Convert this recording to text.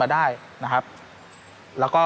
ไม่มีพวกมันเกี่ยวกับพวกเรา